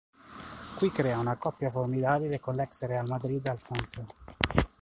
Qui crea una coppia formidabile con l'ex Real Madrid, Alfonso.